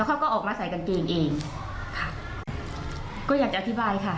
เขาก็ออกมาใส่กางเกงเองค่ะก็อยากจะอธิบายค่ะ